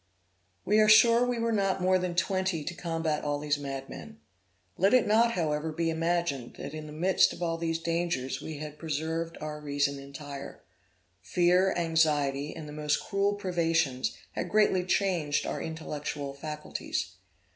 We are sure we were not more than twenty to combat all these madmen. Let it not, however, be imagined, that in the midst of all these dangers we had preserved our reason entire. Fear, anxiety, and the most cruel privations, had greatly changed our intellectual faculties.